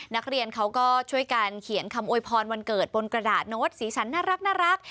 นักเรียนเขาก็ช่วยกันเขียนคำโวยพรวันเกิดบนกระดาษโน้ตสีสันน่ารัก